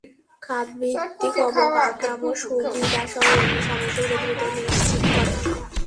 খাতভিত্তিক অবকাঠামো সুবিধাসহ অন্য সমস্যাগুলো দ্রুত চিহ্নিত করে গুরুত্বসহকারে সমাধান করা দরকার।